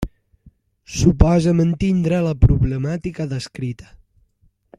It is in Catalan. Suposa mantindre la problemàtica descrita.